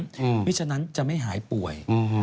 เพราะฉะนั้นจะไม่หายป่วย